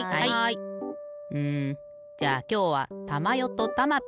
うんじゃあきょうはたまよとたまピー。